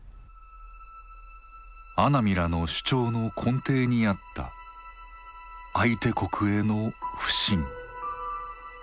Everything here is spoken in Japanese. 阿南らの主張の根底にあった相手国への不信。